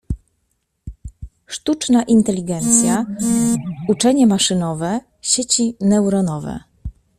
Sztuczna inteligencja, uczenie maszynowe, sieci neuronowe.